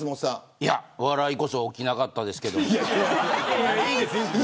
いや、笑いこそ起きなかったですけど。